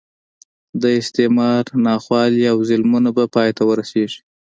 د استعمار ناخوالې او ظلمونه به پای ته ورسېږي.